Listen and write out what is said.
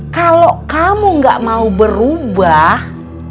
kalau kamu gak mau berubah